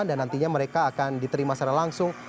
dan nantinya mereka akan diterima secara langsung